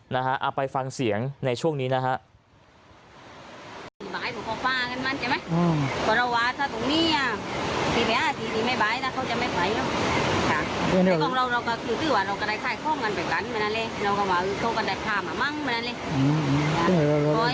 เอาไปฟังเสียงในช่วงนี้นะฮะ